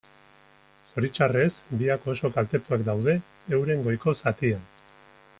Zoritxarrez, biak oso kaltetuak daude euren goiko zatian.